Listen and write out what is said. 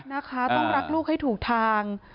นะคะต้องรักลูกให้ถูกทาง